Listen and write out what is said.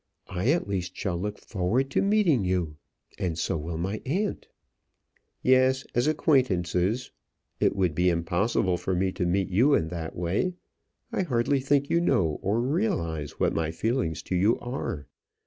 I, at least, shall look forward to meeting you and so will my aunt." "Yes; as acquaintances. It would be impossible for me to meet you in that way. I hardly think you know or realize what my feelings to you are.